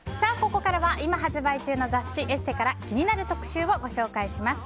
ここからは今発売中の雑誌「ＥＳＳＥ」から気になる特集をご紹介します。